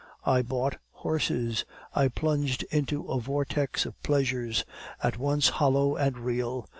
I bought horses. I plunged into a vortex of pleasures, at once hollow and real.